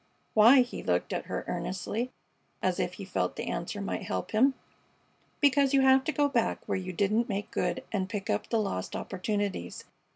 "Why?" He looked at her earnestly, as if he felt the answer might help him. "Because you have to go back where you didn't make good and pick up the lost opportunities.